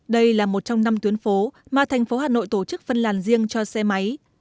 đây là một trong năm tuyến phố mà thành phố hà nội tổ chức phân làn riêng cho xe máy